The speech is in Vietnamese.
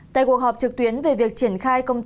tại cuộc họp trực tuyến về việc triển khai công tác